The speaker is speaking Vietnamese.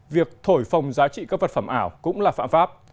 việc thổi phồng giá trị các vật phẩm ảo cũng là phạm pháp